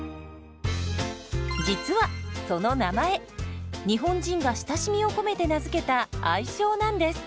実はその名前日本人が親しみを込めて名付けた愛称なんです。